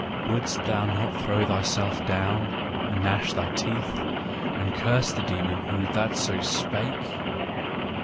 " —Wouldst thou not throw thyself down and gnash thy teeth, and curse the demon that so spake?